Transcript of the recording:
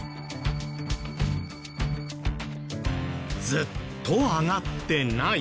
ずっと上がってない。